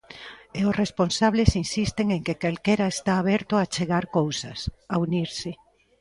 E os responsables insisten en que calquera está aberto a achegar cousas, a unirse.